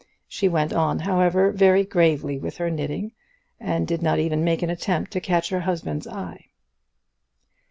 She went on, however, very gravely with her knitting, and did not even make an attempt to catch her husband's eye.